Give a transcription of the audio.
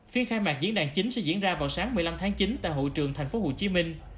phiên khai mạc diễn đàn chính sẽ diễn ra vào sáng một mươi năm tháng chín tại hội trường thành phố hồ chí minh